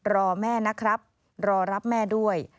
รอแม่นะครับรอรับแม่ด้วย